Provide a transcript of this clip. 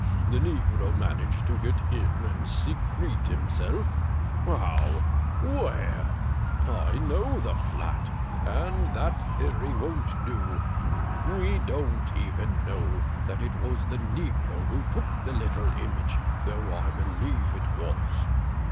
The negro managed to get in and secrete himself. How } Where ? I know the flat, and that theory won't do. We don't even 190 ^"f^Wf THE GRAY CAT know that it was the negro who took that httle image, though I believe it was.